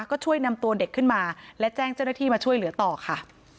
ก็ช่วยนำตัวเด็กขึ้นมาและแจ้งเจ้าหน้าที่มาช่วยเหลือต่อค่ะ